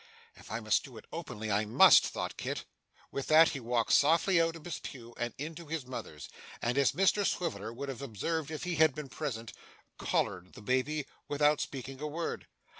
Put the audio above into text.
'If I must do it openly, I must,' thought Kit. With that he walked softly out of his pew and into his mother's, and as Mr Swiveller would have observed if he had been present, 'collared' the baby without speaking a word.